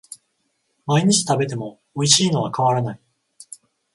毎日食べてもおいしいのは変わらない